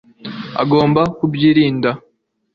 agomba kubyirinda